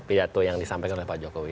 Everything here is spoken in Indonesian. pilihat tuh yang disampaikan oleh pak jokowi